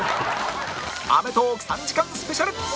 『アメトーーク』３時間スペシャル